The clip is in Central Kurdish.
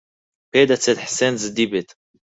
پێدەچێت حسێن جددی بێت.